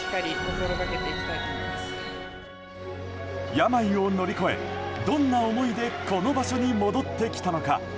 病を乗り越え、どんな思いでこの場所に戻ってきたのか。